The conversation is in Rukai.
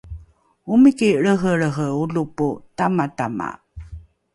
omiki lrehelrehe olopo tamatama